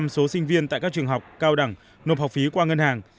tám mươi số sinh viên tại các trường học cao đẳng nộp học phí qua ngân hàng